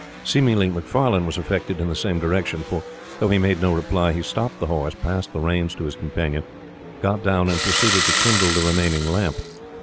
Seemingly Macfarlane was affected in the same direction; for, though he made no reply, he stopped the horse, passed the reins to his companion, got down, and proceeded to kindle the remaining lamp.